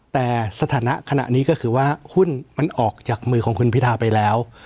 แต่สถานะขณะนี้ก็คือว่าหุ้นมันออกจากมือของคุณพิทาไปแล้ว